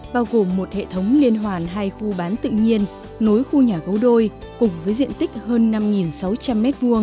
bao gồm một hệ thống liên hoàn hai khu bán tự nhiên nối khu nhà gấu đôi cùng với diện tích hơn năm sáu trăm linh m hai